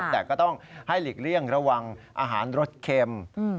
แต่ก็ต้องให้หลีกเลี่ยงระวังอาหารรสเค็ม